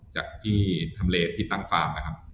จากที่ทำเลที่ตั้งฟาร์มนะครับ